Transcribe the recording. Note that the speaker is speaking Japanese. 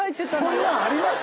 そんなんあります？